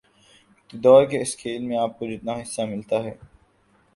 اقتدار کے اس کھیل میں آپ کو جتنا حصہ ملتا ہے